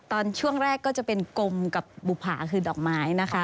ตอนช่วงแรกก็จะเป็นกลมกับบุภาคือดอกไม้นะคะ